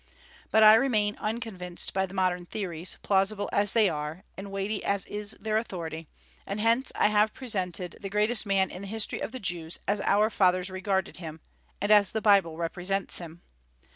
But I remain unconvinced by the modern theories, plausible as they are, and weighty as is their authority; and hence I have presented the greatest man in the history of the Jews as our fathers regarded him, and as the Bible represents him.